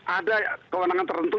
ada kewenangan tertentu